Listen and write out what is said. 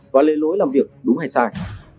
và lệ lỗi làm việc đúng hay sai